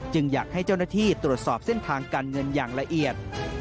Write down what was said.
อยากให้เจ้าหน้าที่ตรวจสอบเส้นทางการเงินอย่างละเอียด